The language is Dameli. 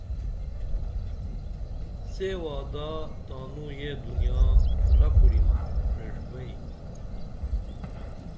سے وعدہ تانوں یہ دنیا پھورہ کُریمہ پریݜبئیں